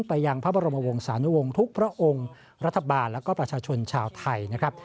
ไปยังพระบรมวงศานุวงศ์ทุกพระองค์รัฐบาลและก็ประชาชนชาวไทยนะครับ